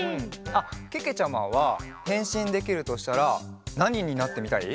あっけけちゃまはへんしんできるとしたらなにになってみたい？